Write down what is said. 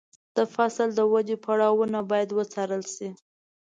د فصل د ودې پړاوونه باید وڅارل شي.